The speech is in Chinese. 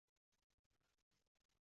英祖四年六月去世。